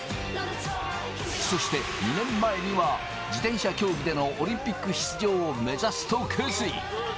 そして２年前には、自転車競技でのオリンピック出場を目指すと決意。